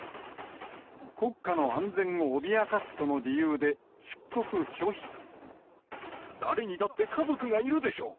国家の安全を脅かすとの理由誰にだって家族がいるでしょう。